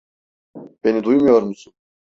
Beni duymuyor musun?